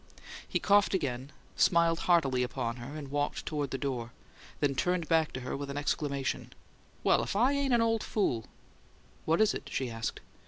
He coughed again, smiled heartily upon her, and walked toward the door; then turned back to her with an exclamation: "Well, if I ain't an old fool!" "What is it?" she asked.